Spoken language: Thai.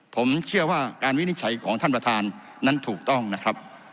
ผมเชื่อว่าการวินิจฉัยของท่านประธานนั้นถูกต้องนะครับ